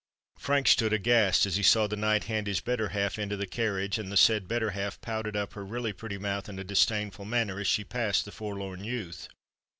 Frank stood aghast, as he saw the knight hand his better half into the carriage: and the said better half pouted up her really pretty mouth in a disdainful manner as she passed the forlorn youth.